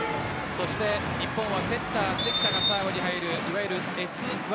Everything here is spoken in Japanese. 日本はセッター・関田がサーブに入るいわゆるＳ１